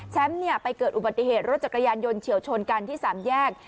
แชมป์เนี่ยไปเกิดอุบัติเหตุรถจักรยานยนต์เฉียวชนกันที่สามแยก